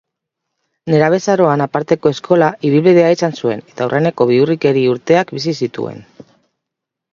Nerabezaroan aparteko eskola ibilbidea izan zuen, eta aurreneko bihurrikeri urteak bizi zituen.